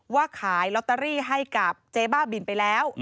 ว่าขายลอตเตอรี่ให้กับเจ๊บ้าบินไปแล้ว